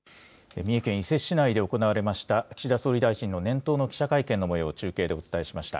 三重県伊勢市内で行われました、岸田総理大臣の年頭の記者会見のもようを、中継でお伝えしました。